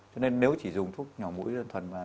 cho nên nếu chỉ dùng thuốc nhỏ mũi đơn thuần mà